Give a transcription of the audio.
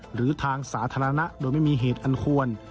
หรือทางสาธารณะโดยไม่มีเหตุอันควร